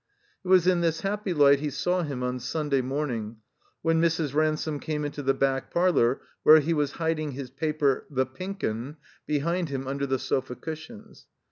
It was in this happy light he saw him on Stmday morning, when Mrs. Ransome came into the bade parlor, where he was hiding his paper, The Pink 'Un, behind him tmder the sofa cushions.